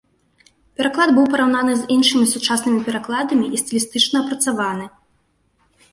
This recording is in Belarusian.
Пераклад быў параўнаны з іншымі сучаснымі перакладамі і стылістычна апрацаваны.